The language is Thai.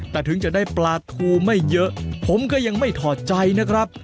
แต่ถึงจะได้ปลาทูไม่เยอะผมก็ยังไม่ถอดใจนะครับ